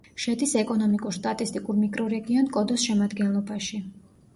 შედის ეკონომიკურ-სტატისტიკურ მიკრორეგიონ კოდოს შემადგენლობაში.